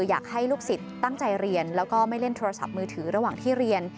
อยากให้ลูกศิษย์ตั้งใจเรียนแล้วก็ไม่เล่นโทรศัพท์มือถือระหว่างที่เรียน